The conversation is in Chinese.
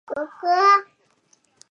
张轨的父亲张崇官至高平令。